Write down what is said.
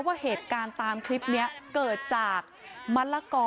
มันตกเมียกันเนาะ